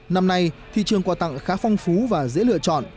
năm nay thị trường quà tặng khá phong phú và dễ lựa chọn